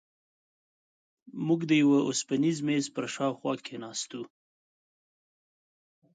موږ د یوه اوسپنیز میز پر شاوخوا کېناستو.